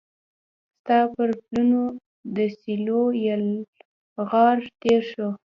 ستا پر پلونو د سیلېو یلغار تیر شو